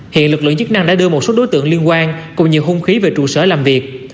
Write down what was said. hiện lực lượng chức năng đã đưa một số đối tượng liên quan cùng nhiều hung khí về trụ sở làm việc